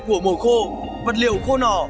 của mồ khô vật liệu khô nỏ